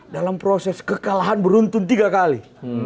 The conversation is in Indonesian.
dalam proses kekalahan beruntun tiga kali